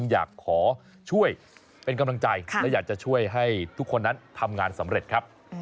อยากขอช่วยเป็นกำลังใจและอยากจะช่วยให้ทุกคนนั้นทำงานสำเร็จครับ